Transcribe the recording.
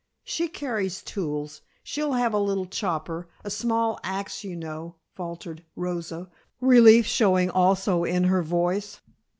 "She carries tools; she'll have a little chopper a small ax, you know," faltered Rosa, relief showing also in her voice.